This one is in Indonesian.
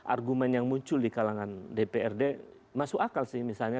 argumen yang muncul di kalangan dprd masuk akal sih misalnya